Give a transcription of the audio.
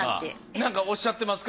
なんかおっしゃってますか？